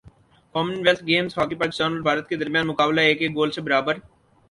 common wealth games hockey Pakistan اور بھارت کے درمیان مقابلہ ایک ایک گول سے برابر